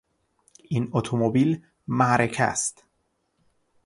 این اتومبیل معرکه است.